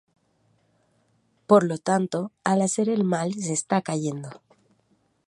Por lo tanto, al hacer el mal se está cayendo.